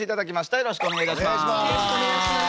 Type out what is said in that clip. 「よろしくお願いします」。